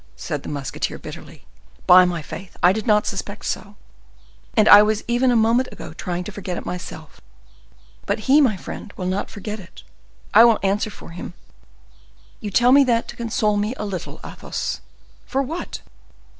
said the musketeer bitterly. "By my faith! I did not suspect so, and I was even a moment ago trying to forget it myself." "But he, my friend, will not forget it, I will answer for him." "You tell me that to console me a little, Athos." "For what?"